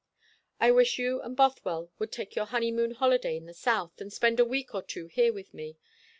"I wish you and Bothwell would take your honeymoon holiday in the South, and spend a week or two here with me.